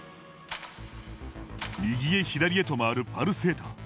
右へ左へと回るパルセーター。